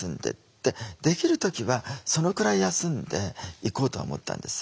できる時はそのくらい休んでいこうとは思ったんです。